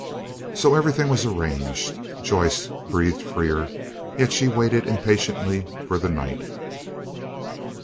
So everything was arranged. Joyce breathed freer, yet she waited impatiently for the night.